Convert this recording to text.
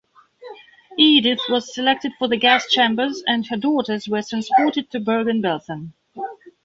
Edith was selected for the gas chambers, and her daughters were transported to Bergen-Belsen.